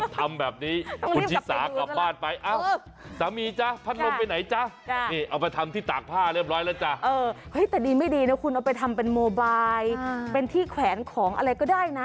แต่ดีไม่ดีนะคุณเอาไปทำเป็นโมไบล์เป็นที่แขวนของอะไรก็ได้นะ